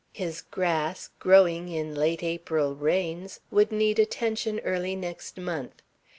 His grass, growing in late April rains, would need attention early next month